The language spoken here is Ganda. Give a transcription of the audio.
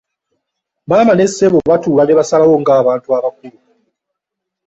Maama ne ssebo baatuula ne basalawo ng'abantu abakulu.